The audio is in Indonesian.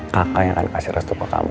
kakak yang akan kasih restu ke kamu